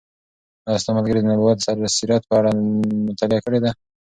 آیا ستا ملګري د نبوي سیرت په اړه مطالعه کړې ده؟